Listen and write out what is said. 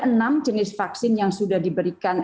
enam jenis vaksin yang sudah diberikan